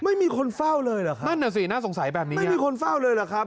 ไม่มีคนเฝ้าเลยเหรอครับนั่นน่ะสิน่าสงสัยแบบนี้ไม่มีคนเฝ้าเลยเหรอครับ